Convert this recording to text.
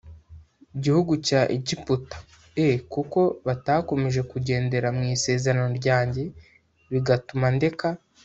gihugu cya Egiputa e kuko batakomeje kugendera mu isezerano ryanjye bigatuma ndeka